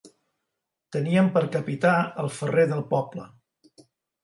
Teníem per capità el ferrer del poble.